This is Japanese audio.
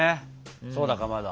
そうだかまど。